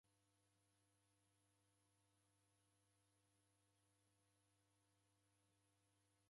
W'adaw'da w'eko na chia raw'o zima rerighita makongo.